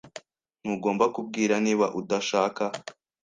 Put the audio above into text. Ntugomba kubwira niba udashaka.